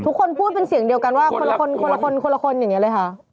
ทุกคนพูดเป็นเสียงเดียวกันว่าคนละคนคนละคนคนละคนอย่างนี้เลยค่ะ